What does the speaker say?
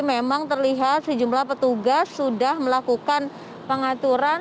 memang terlihat sejumlah petugas sudah melakukan pengaturan